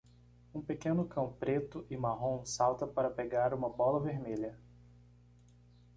Um pequeno cão preto e marrom salta para pegar uma bola vermelha.